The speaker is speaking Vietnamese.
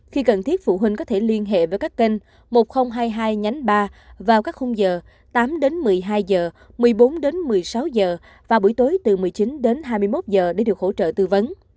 khi cần thiết phụ huynh có thể liên hệ với các kênh một nghìn hai mươi hai ba vào các khung giờ tám một mươi hai h một mươi bốn một mươi sáu h và buổi tối từ một mươi chín hai mươi một h để được hỗ trợ tư vấn